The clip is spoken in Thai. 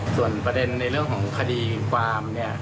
ส่วนประเด็นในเรื่องของคดีความเนี่ย